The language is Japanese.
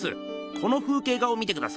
この風景画を見てください。